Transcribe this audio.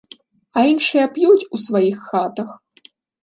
А іншыя п'юць у сваіх хатах.